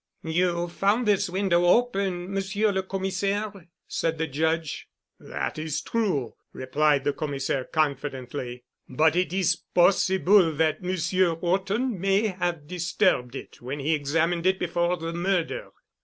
"You found this window open, Monsieur le Commissaire," said the Judge. "That is true," replied the Commissaire confidently, "but it is possible that Monsieur Horton may have disturbed it when he examined it before the murder."